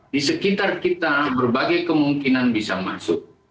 di sekitar kita berbagai kemungkinan bisa masuk